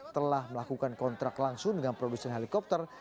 telah melakukan kontrak langsung dengan produsen helikopter